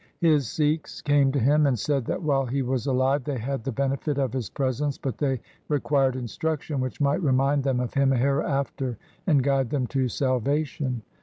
His Sikhs came to him, and said that while he was alive they had the benefit of his presence, but they required instruction which might remind them of him hereafter and guide them to salvation.